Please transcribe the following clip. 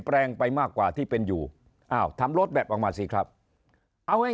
แปลงไปมากกว่าที่เป็นอยู่อ้าวทำรถแบบออกมาสิครับเอาไอ้